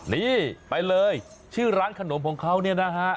นี่ไปเลยชื่อร้านขนมของเขาเนี่ยนะฮะ